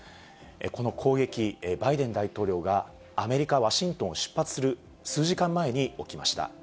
この攻撃、バイデン大統領がアメリカ・ワシントンを出発する数時間前に起きました。